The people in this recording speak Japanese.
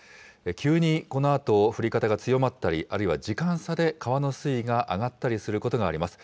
急にこのあと、降り方が強まったり、あるいは時間差で川の水位が上がったりすることがあります。